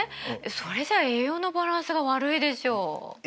それじゃ栄養のバランスが悪いでしょ。